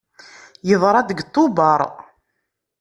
Yeḍra-d deg Tubeṛ.